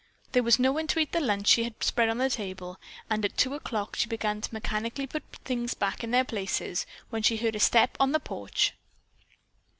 There was no one to eat the lunch she had spread on the table and at two o'clock she began to mechanically put things back in their places, when she heard a step on the porch.